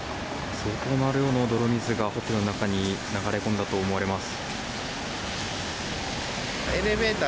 相当な量の泥水がホテルの中に流れ込んだと思われます。